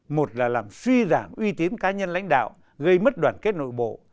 một là làm suy giảm uy tín cá nhân lãnh đạo gây mất đoàn kết nội bộ